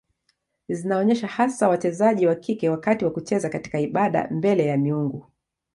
Zinaonyesha hasa wachezaji wa kike wakati wa kucheza katika ibada mbele ya miungu.